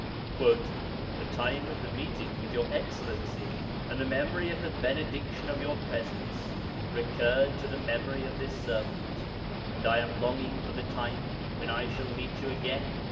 '... The time of the meeting with your excellency, and the memory of the benediction of your presence, recurred to the memory of this servant, and I am longing for the time when I shall meet you again.